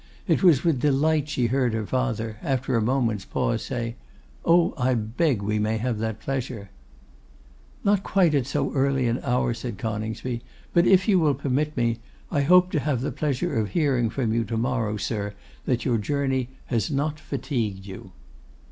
It was with delight she heard her father, after a moment's pause, say, 'Oh! I beg we may have that pleasure.' 'Not quite at so early an hour,' said Coningsby; 'but if you will permit me, I hope to have the pleasure of hearing from you to morrow, sir, that your journey has not fatigued you.